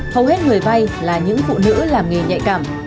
hầu hết người vay là những phụ nữ làm nghề nhạy cảm